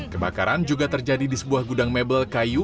kebakaran juga terjadi di sebuah gudang mebel kayu